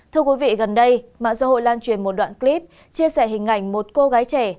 thưa quý vị gần đây mạng xã hội lan truyền một đoạn clip chia sẻ hình ảnh một cô gái trẻ